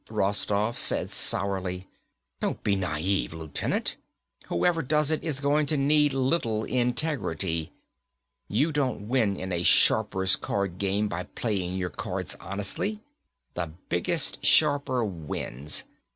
Rostoff said sourly, "Don't be naive, Lieutenant. Whoever does it, is going to need little integrity. You don't win in a sharper's card game by playing your cards honestly. The biggest sharper wins.